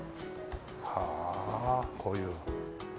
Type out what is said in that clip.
はあこういう。